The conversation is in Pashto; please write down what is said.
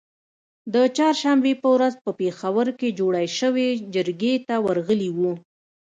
د چهارشنبې په ورځ په پیښور کې جوړی شوې جرګې ته ورغلي وو